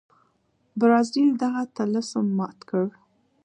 برازیل دغه طلسم مات کړ.